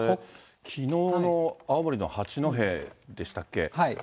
きのうの青森の八戸でしたっけ。